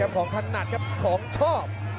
ของถนัดครับของชอบ